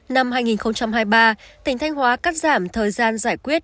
năm hai nghìn hai mươi ba tỉnh thanh hóa cắt giảm thời gian giải quyết